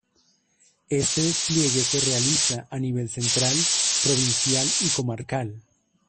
Este despliegue se realiza a nivel central, provincial y comarcal.